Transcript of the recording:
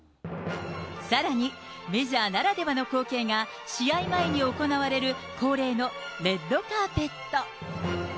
さらに、メジャーならではの光景が、試合前に行われる、恒例のレッドカーペット。